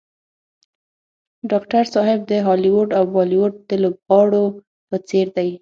ډاکټر صاحب د هالیوډ او بالیوډ د لوبغاړو په څېر دی.